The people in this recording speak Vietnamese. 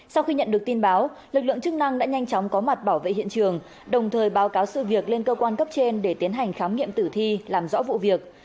sau khi nhận được tin báo lực lượng chức năng đã nhanh chóng có mặt bảo vệ hiện trường đồng thời báo cáo sự việc lên cơ quan cấp trên để tiến hành khám nghiệm tử thi làm rõ vụ việc